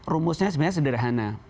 rumusnya sebenarnya sederhana